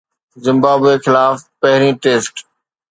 Zimbabwe خلاف پهرين test